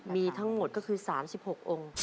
มีทั้งหมดก็คือ๓๖องค์